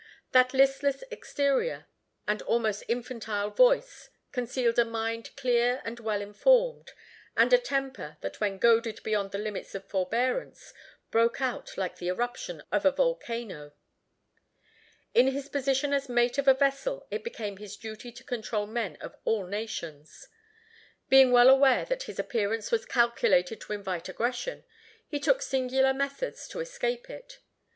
That listless exterior, and almost infantile voice, concealed a mind clear and well informed, and a temper, that when goaded beyond the limits of forbearance, broke out like the eruption of a volcano. In his position as mate of a vessel it became his duty to control men of all nations. Being well aware that his appearance was calculated to invite aggression, he took singular methods to escape it.